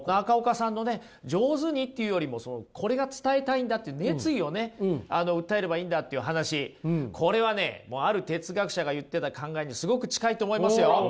中岡さんのね上手にっていうよりもこれが伝えたいんだっていう熱意をね訴えればいいんだっていう話これはねある哲学者が言ってた考えにすごく近いと思いますよ。